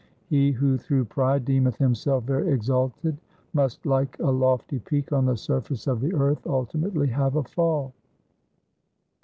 He who through pride deemeth himself very exalted must like a lofty peak on the surface of the earth ultimately have a fall.